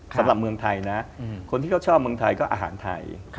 สำหรับเมืองไทยนะคนที่เขาชอบเมืองไทยก็อาหารไทย